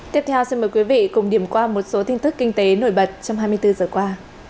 tiếp theo xin mời quý vị cùng điểm qua một số tin tức kinh tế nổi bật trong hai mươi bốn giờ qua